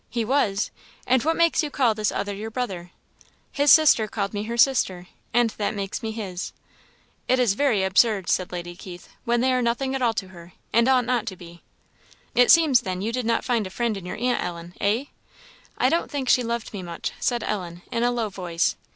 "He was? And what makes you call this other your brother?" "His sister called me her sister and that makes me his." "It is very absurd," said Lady Keith, "when they are nothing at all to her, and ought not to be." "It seems, then, you did not find a friend in your aunt, Ellen, eh?" "I don't think she loved me much," said Ellen, in a low voice.